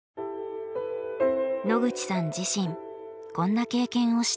野口さん自身こんな経験をしています。